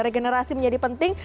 regenerasi menjadi penting